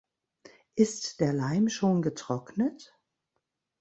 Ist der Leim schon getrocknet?